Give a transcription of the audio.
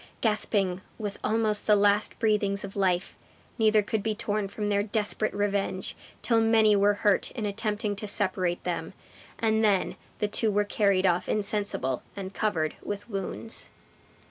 Gasping with almost the last breathings of life, neither could be torn from their desperate revenge, till many were hurt in attempting to separate them; and then the two were carried off insensible, and covered with wounds.